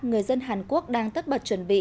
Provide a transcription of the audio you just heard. người dân hàn quốc đang tất bật chuẩn bị